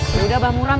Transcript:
yaudah bang muram